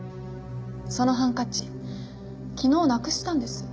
そのハンカチ昨日なくしたんです。